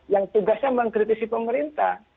yang tugasnya mengkritisi pemerintah